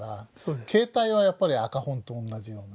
形態はやっぱり赤本と同じような。